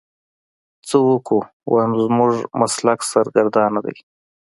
څه وکو ويم زموږ مسلک سرګردانه دی.